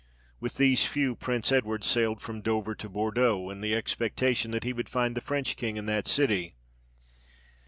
With these few Prince Edward sailed from Dover to Bourdeaux, in the expectation that he would find the French king in that city.